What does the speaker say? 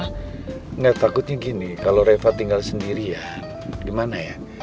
karena gak takutnya gini kalau reva tinggal sendirian gimana ya